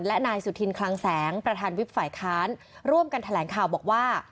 และนายสุธินคลังแสงประธานวิบฝ่ายค้านร่วมกันแถลงข่าวบอกว่า